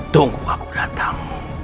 tunggu aku datang